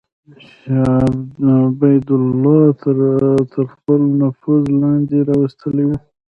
چې عبیدالله تر خپل نفوذ لاندې راوستلي وو.